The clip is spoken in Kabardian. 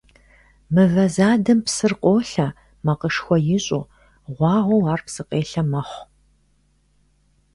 Мывэ задэм псыр къолъэ, макъышхуэ ищӀу, гъуагъуэу, ар псыкъелъэ мэхъу.